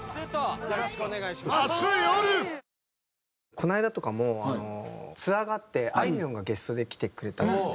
この間とかもツアーがあってあいみょんがゲストで来てくれたんですね。